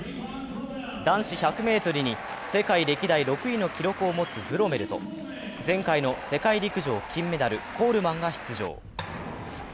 男子１００ｍに世界歴代６位の記録を持つブロメルと前回の世界陸上金メダルコールマンが出場。